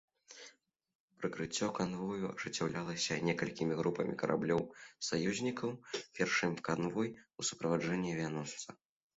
Прыкрыццё канвою ажыццяўлялася некалькімі групамі караблёў саюзнікаў, першы канвой у суправаджэнні авіяносца.